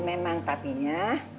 memang tapi ya